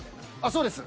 そうです。